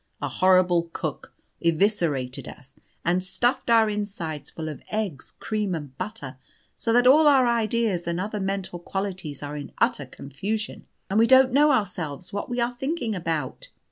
A horrible cook eviscerated us, and stuffed our insides full of egg, cream, and butter, so that all our ideas and other mental qualities are in utter confusion, and we don't know ourselves what we are thinking about!"